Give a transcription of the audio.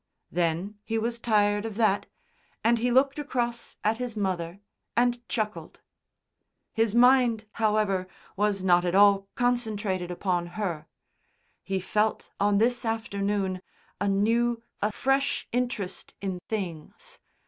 Then he was tired of that, and he looked across at his mother and chuckled. His mind, however, was not at all concentrated upon her. He felt, on this afternoon, a new, a fresh interest in things.